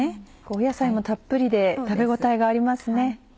野菜もたっぷりで食べ応えがありますね。